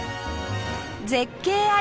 絶景あり！